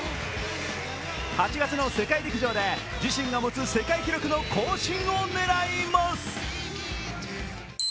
８月の世界陸上で自身が持つ世界記録の更新を狙います。